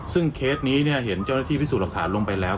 ซึ่งเคสนี้เห็นเจ้าหน้าที่พิสูจน์หลักฐานลงไปแล้ว